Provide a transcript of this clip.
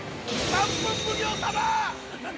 ◆３分奉行様！